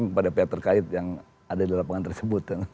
mungkin pada pihak terkait yang ada di lapangan tersebut